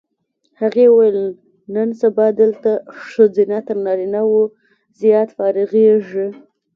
هغې وویل نن سبا دلته ښځینه تر نارینه و زیات فارغېږي.